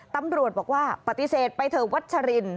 ตำรวจบอกว่าปฏิเสธไปเถอะวัชริน